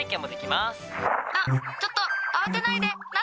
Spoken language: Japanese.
あ、ちょっと慌てないで！